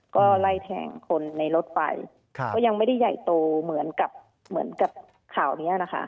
ก็ไล่แทงคนในรถไปก็ยังไม่ได้ใหญ่โตเหมือนกับเหมือนกับข่าวเนี้ยนะคะ